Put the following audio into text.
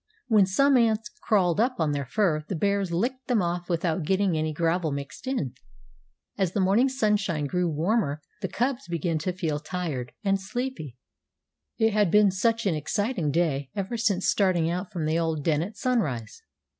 When some ants crawled up on their fur the bears licked them off without getting any gravel mixed in. As the morning sunshine grew warmer the cubs began to feel tired and sleepy. It had been such an exciting day ever since starting out from the old den at sunrise!